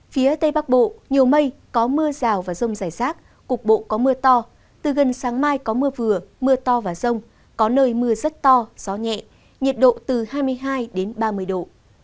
phía tây bắc bộ nhiều mây có mưa rào và rông rải rác cục bộ có mưa to từ gần sáng mai có mưa vừa mưa to và rông có nơi mưa rất to gió nhẹ nhiệt độ từ hai mươi hai đến ba mươi độ